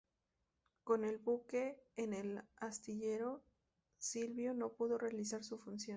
Con el buque en el astillero, Silvio no pudo realizar su función.